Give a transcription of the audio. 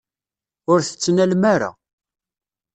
Ur t-tettnalem ara.